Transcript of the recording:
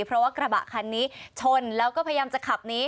เพราะว่ากระบะคันนี้ชนแล้วก็พยายามจะขับหนี